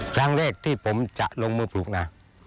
ครั้งแรกที่ผมจะลงมือปลูกนะ